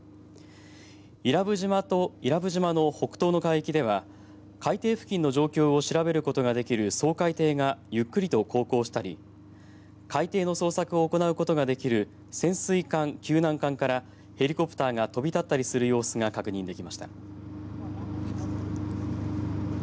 伊良部島と伊良部島の北東の海域では海底付近の状況を調べることができる掃海艇がゆっくりと航行したり海底の捜索を行うことができる潜水艦救難艦からヘリコプターが飛び立ったりする様子が確認できました。